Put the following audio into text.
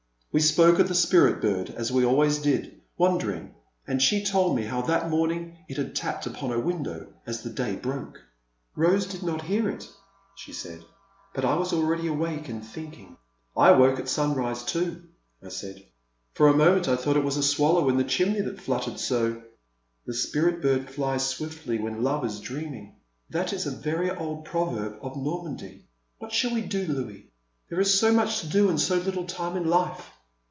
We spoke of the Spirit bird as we always did, wondering, and she told me how that morning it had tapped upon her window as the day broke. *' Rose did not hear it," she said, but I was already awake and thinking. I awoke at sunrise too, I said ;" for a mo ment I thought it was a swallow in the chimney that fluttered so— The Spirit bird flies swiftly when I/)ve is dreaming,*' — ^that is a very old proverb of Nor The Silent Land. 1 1 1 mandy. What shall we do, Louis — there is so much to do and so little time in life